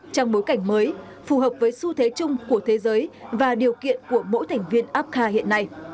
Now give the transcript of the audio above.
trong bối cảnh mới phù hợp với xu thế chung của thế giới và điều kiện của mỗi thành viên apca hiện nay